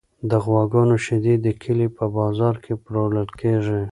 د غواګانو شیدې د کلي په بازار کې پلورل کیږي.